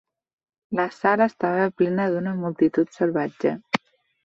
La sala estava plena d'una multitud salvatge.